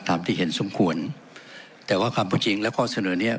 ตามที่เห็นสมควรแต่ว่าความเป็นจริงและข้อเสนอเนี้ย